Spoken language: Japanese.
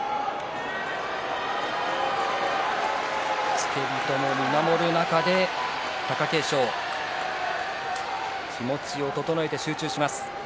付け人も見守る中で貴景勝気持ちを整えて集中します。